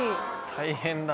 大変だ。